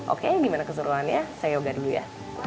oke gimana keseruannya saya yoga dulu ya